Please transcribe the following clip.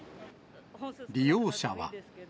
利用者は。